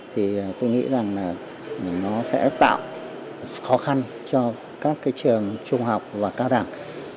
thì tôi nghĩ rằng nó sẽ tạo khó khăn cho các trường trung học và cao đẳng